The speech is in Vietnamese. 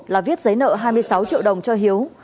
là viết giấy nợ hai mươi sáu triệu đồng cho hiếu